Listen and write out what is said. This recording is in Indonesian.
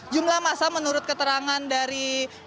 jumlah masa menurut keterangan dari kementerian perhubungan